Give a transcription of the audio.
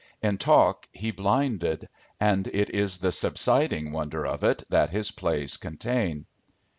In talk he blinded and it is the subsiding wonder of it that his plays contain.